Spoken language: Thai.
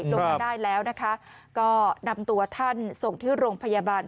ลงมาได้แล้วนะคะก็นำตัวท่านส่งที่โรงพยาบาล